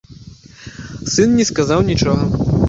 Сын не сказаў нічога.